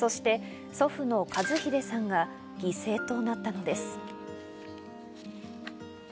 そして祖父の一秀さんが犠牲となったのです。